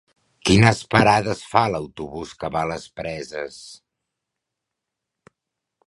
Quines parades fa l'autobús que va a les Preses?